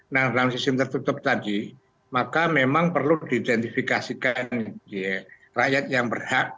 nah dalam sistem tertutup tadi maka memang perlu diidentifikasikan rakyat yang berhak